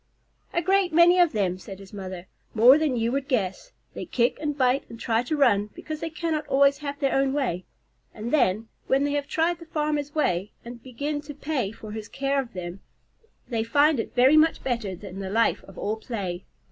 "A great many of them," said his mother. "More than you would guess. They kick and bite and try to run because they cannot always have their own way; and then, when they have tried the farmer's way, and begin to pay for his care of them, they find it very much better than the life of all play.